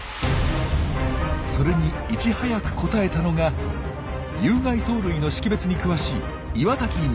それにいち早く応えたのが有害藻類の識別に詳しい岩滝光儀博士です。